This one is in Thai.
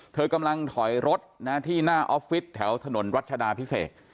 เธอกำลังถอยรถที่หน้าออฟฟิศแถวถนนรัชดาพิเศษ